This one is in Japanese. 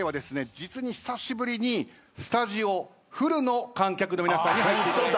実に久しぶりにスタジオフルの観客の皆さんに入っていただいています。